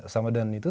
sama dengan itu